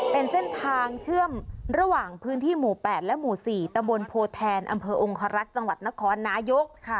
เป็นเส้นทางเชื่อมระหว่างพื้นที่หมู่๘และหมู่๔ตะบนโพแทนอำเภอองคารักษ์จังหวัดนครนายก